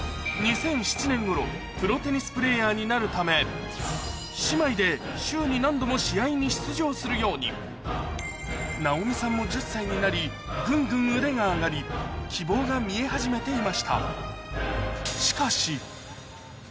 ２００７年頃プロテニスプレーヤーになるため姉妹でなおみさんも１０歳になりぐんぐん腕が上がり希望が見え始めていました